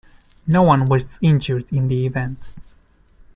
No one was injured in the event.